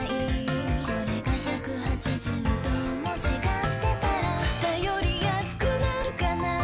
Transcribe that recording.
これが１８０度も違ってたら頼りやすくなるかな